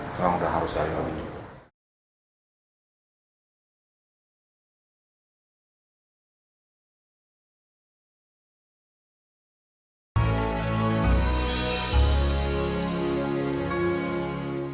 sekarang udah harus saya lindungi